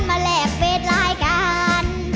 มาแหลกเวทรายการ